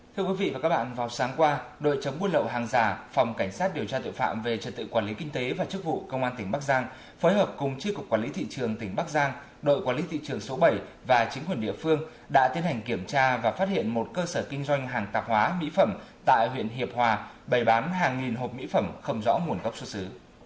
thưa quý vị và các bạn vào sáng qua đội chống buôn lậu hàng già phòng cảnh sát điều tra tội phạm về trật tự quản lý kinh tế và chức vụ công an tỉnh bắc giang phối hợp cùng chiếc cục quản lý thị trường tỉnh bắc giang đội quản lý thị trường số bảy và chính quyền địa phương đã tiến hành kiểm tra và phát hiện một cơ sở kinh doanh hàng tạp hóa mỹ phẩm tại huyện hiệp hòa bày bán hàng nghìn hộp mỹ phẩm không rõ nguồn gốc xuất xứ